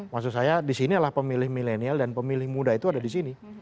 maksud saya disini adalah pemilih milenial dan pemilih muda itu ada di sini